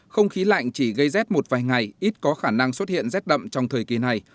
không khí lạnh chỉ gây rét một vài ngày ít có khả năng xuất hiện rét đậm trong thời kỳ này